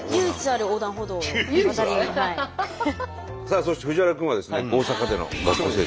さあそして藤原君はですね大阪での学校生活。